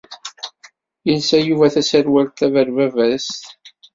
Yelsa Yuba taserwalt tabavarwazt.